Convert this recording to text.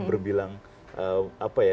berbilang apa ya